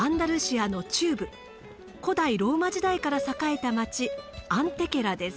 古代ローマ時代から栄えた町アンテケラです。